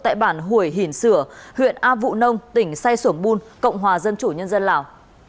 tại bản hủy hình sửa huyện a vụ nông tỉnh sai sưởng bun cộng hòa dân chủ nhân dân lào